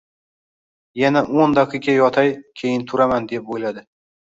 Yana o`n daqiqa yotay, keyin turaman deb o`yladi